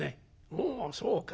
「おうそうか。